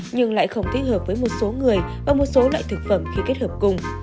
nhưng lại không thích hợp với một số người và một số loại thực phẩm khi kết hợp cùng